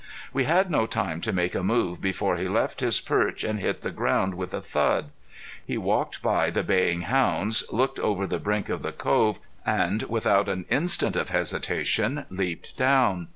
We had no time to make a move before he left his perch and hit the ground with a thud. He walked by the baying hounds, looked over the brink of the cove, and without an instant of hesitation, leaped down.